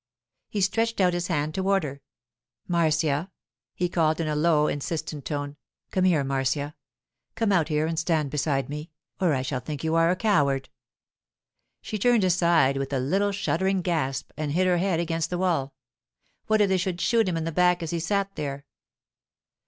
He stretched out his hand toward her. 'Marcia,' he called in a low, insistent tone. 'Come here, Marcia. Come out here and stand beside me, or I shall think you are a coward.' She turned aside with a little shuddering gasp and hid her head against the wall. What if they should shoot him in the back as he sat there?